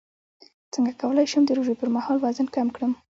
څنګه کولی شم د روژې پر مهال وزن کم کړم